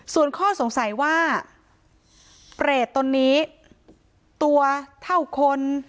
ส่วนข้อสงสัยว่าเปรตนนี้ตัวเท่าคน